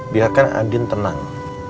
biarkan andin tenang